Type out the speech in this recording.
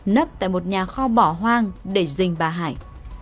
nấp tại một nhà kho bỏ hoang để dình bà hải